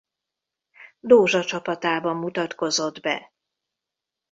Dózsa csapatában mutatkozott be.